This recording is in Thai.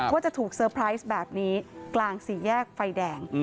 ว่าจะถูกเซอร์ไพรส์แบบนี้กลางสี่แยกไฟแดง